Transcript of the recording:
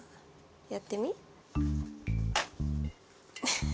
やってみ？